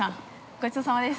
ごちそうさまです。